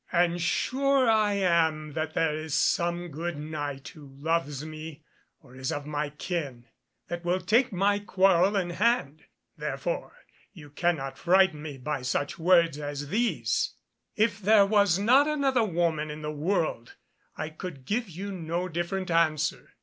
And sure I am that there is some good Knight who loves me or is of my kin, that will take my quarrel in hand, therefore you cannot frighten me by such words as these. If there was not another woman in the world, I could give you no different answer."